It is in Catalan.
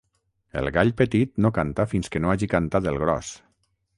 El gall petit no canta fins que no hagi cantat el gros.